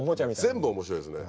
全部面白いですね。